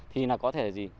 thì nó có thể là gì